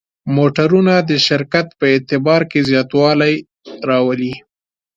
موټرونه د شرکت په اعتبار کې زیاتوالی راولي.